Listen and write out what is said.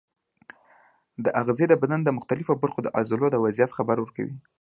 دا آخذې د بدن د مختلفو برخو د عضلو د وضعیت خبر ورکوي.